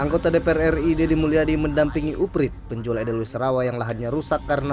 anggota dpr ri deddy mulyadi mendampingi uprit penjual edelwe sarawa yang lahannya rusak karena